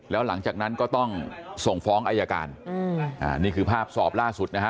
แล้วหลังจากนั้นก็ต้องส่งฟ้องอายการนี่คือภาพสอบล่าสุดนะฮะ